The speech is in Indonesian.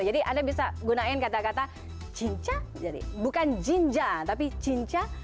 jadi anda bisa gunain kata kata cinca jadi bukan jinja tapi cinca